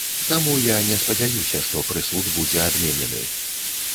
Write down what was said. Таму я не спадзяюся, што прысуд будзе адменены.